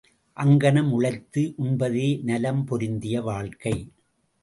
அங்ஙனம் உழைத்து உண்பதே நலம் பொருந்திய வாழ்க்கை.